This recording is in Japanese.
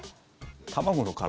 卵の殻。